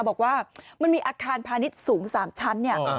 บอกว่ามันมีอาคารพาณิชย์สูง๓ชั้นเนี่ย